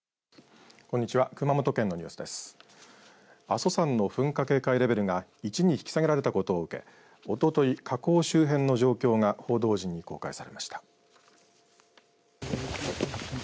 阿蘇山の噴火警戒レベルが１に引き下げられたことを受けおととい火口周辺の状況が報道陣に公開されました。